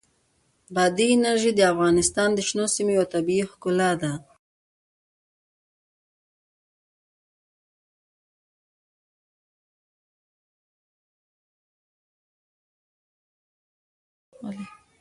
بادي انرژي د افغانستان د شنو سیمو یوه طبیعي ښکلا ده.